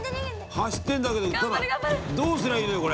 走ってんだけどどうすりゃいいのよこれ！